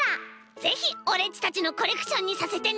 ぜひオレっちたちのコレクションにさせてね。